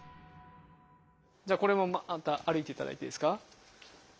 じゃあこれもまた歩いていただいていいですか？